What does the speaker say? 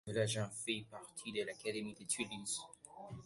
Blajan fait partie de l'académie de Toulouse.